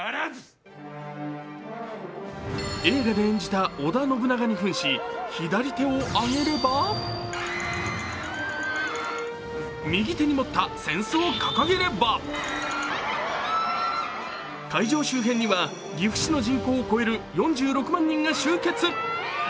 映画で演じた織田信長にふんし、左手を上げれば右手に持った扇子を掲げれば会場周辺には岐阜市の人口を超える４６万人が集結。